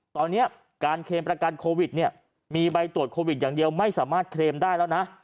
ตอนนี้การเคลมประกันโควิดเนี่ยมีใบตรวจโควิดอย่างเดียวไม่สามารถเคลมได้แล้วนะ